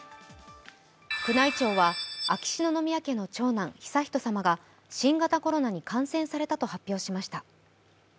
宮内庁は秋篠宮家の長男・悠仁さまが新型コロナに感染されたと発表しました。